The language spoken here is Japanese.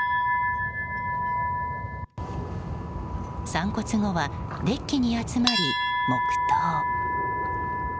散骨後、デッキに集まり黙祷。